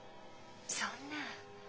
そんな。